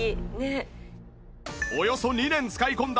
およそ２年使い込んだ